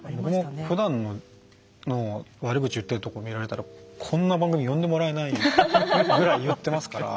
僕もふだんの悪口言ってるとこ見られたらこんな番組呼んでもらえないぐらい言ってますから。